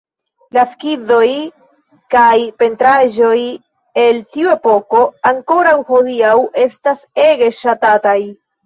La skizoj kaj pentraĵoj el tiu epoko ankoraŭ hodiaŭ estas ege ŝatataj".